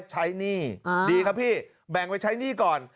หนี้ดีครับพี่แบ่งไว้ใช้หนี้ก่อน